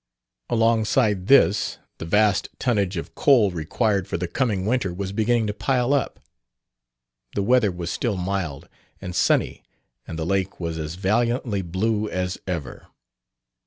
Alongside this, the vast tonnage of coal required for the coming winter was beginning to pile up. The weather was still mild and sunny and the lake was as valiantly blue as ever.